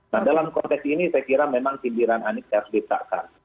nah dalam konteks ini saya kira memang sindiran anies harus ditakkan